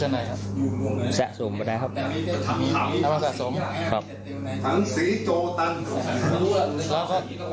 ชัดในครับสะสมกันได้ครับเอามาสะสมครับครับ